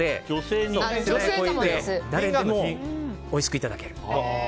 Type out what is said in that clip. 誰でもおいしくいただける。